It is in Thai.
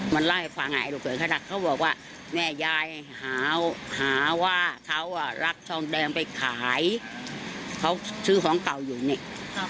มันเล่าให้ฟังไอ้ลูกเขยเขานะเขาบอกว่าแม่ยายหาว่าเขารักทองแดงไปขายเขาซื้อของเก่าอยู่นี่